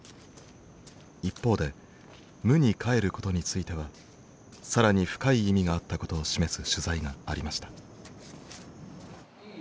一方で無に帰ることについては更に深い意味があったことを示す取材がありました。